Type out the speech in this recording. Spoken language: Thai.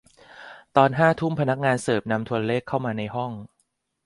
ตอนห้าทุ่มพนักงานเสิร์ฟนำโทรเลขเข้ามาในห้อง